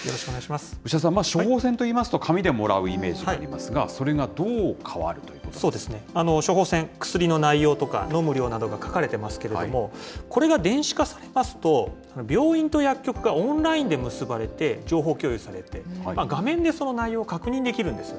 牛田さん、処方箋といいますと、紙でもらうイメージがありますが、それがどう変わるということなんそうですね、処方箋、薬の内容とか、飲む量などが書かれてますけれども、これが電子化されますと、病院と薬局がオンラインで結ばれて、情報共有されて、画面でその内容を確認できるんです。